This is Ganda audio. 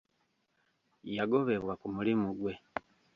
Yagobebwa ku mulimu gwe.